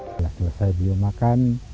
setelah selesai beliau makan